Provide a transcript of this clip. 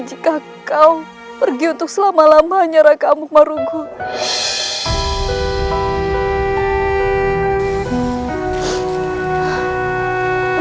jika kau pergi untuk selama lamanya raka mukmarugun